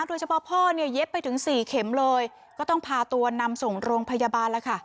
โดยเฉพาะพ่อเนี่ยเย็บไปถึงสี่เข็มเลยก็ต้องพาตัวนำส่งโรงพยาบาลแล้วค่ะ